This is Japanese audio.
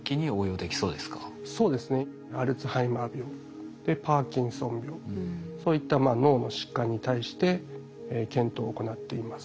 アルツハイマー病パーキンソン病そういった脳の疾患に対して検討を行っています。